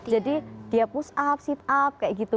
jadi dia push up sit up kayak gitu